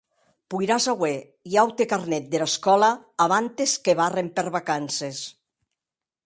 Poiràs auer un aute carnet dera escòla abantes que barren per vacances.